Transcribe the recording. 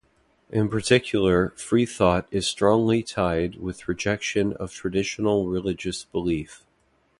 In particular, freethought is strongly tied with rejection of traditional religious belief.